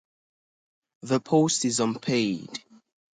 The post is unpaid.